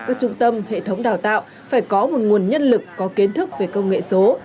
các trung tâm hệ thống đào tạo phải có một nguồn nhân lực có kiến thức về công nghệ số